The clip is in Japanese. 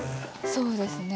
そうですね。